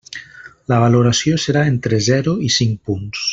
La valoració serà entre zero i cinc punts.